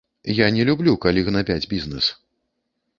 Я не люблю, калі гнабяць бізнэс.